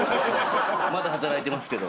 まだ働いてますけど。